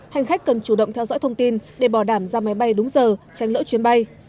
hành khách cần chủ động theo dõi thông tin để bỏ đảm ra máy bay đúng giờ tránh lỡ chuyến bay